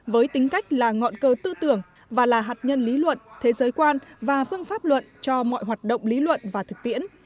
với tính cách là ngọn cơ tư tưởng và là hạt nhân lý luận thế giới quan và phương pháp luận cho mọi hoạt động lý luận và thực tiễn